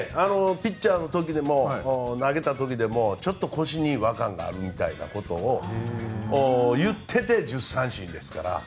ピッチャーで投げた時にも腰に違和感があるみたいなことを言っていて１０奪三振ですから。